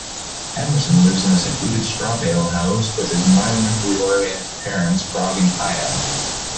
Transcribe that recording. Emerson lives in a secluded straw-bale house, with his environmentally-oriented parents, Rog and Kaya.